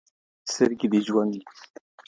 سترګي دي ژوند